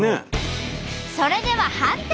それでは判定。